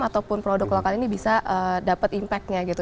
ataupun produk lokal ini bisa dapat impact nya gitu